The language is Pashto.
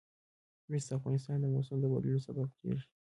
مس د افغانستان د موسم د بدلون سبب کېږي.